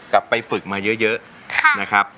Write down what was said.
กลับไปฝึกมาเยอะเยอะ